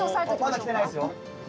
まだきてないですよ！